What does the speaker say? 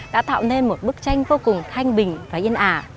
đã tạo nên một bức tranh vô cùng thanh bình và yên ả